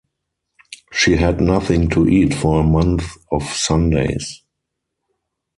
She had nothing to eat for a month of Sundays.